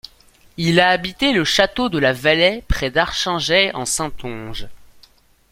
Il a habité le château de la Vallée près d'Archingeay en Saintonge.